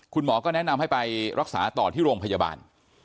คุณหมอก็แนะนำให้ไปรักษาต่อที่โรงพยาบาล